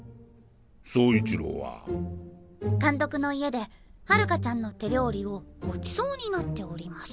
走一郎は？監督の家で春夏ちゃんの手料理をごちそうになっております。